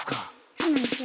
そうなんですよ。